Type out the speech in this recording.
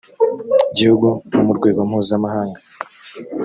gihugu no mu rwego mpuzamahanga